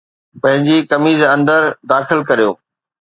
پنهنجي قميص اندر داخل ڪريو